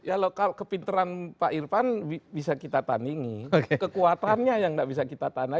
ya kalau kepinteran pak irfan bisa kita taningi kekuatannya yang tidak bisa kita tanahin